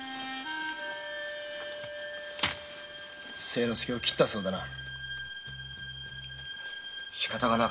清之介を切ったそうだな。